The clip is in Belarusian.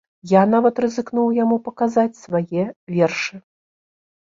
Я нават рызыкнуў яму паказаць свае вершы.